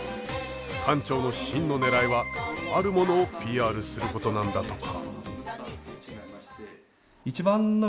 館長の真のねらいはあるモノをＰＲすることなんだとか。